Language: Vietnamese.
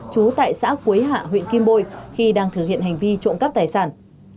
trú tại xã quế hạ huyện kim bôi khi đang thực hiện hành vi trộm cắp tài sản